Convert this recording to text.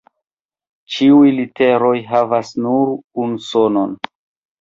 Ĉiuj literoj havas nur unu sonon.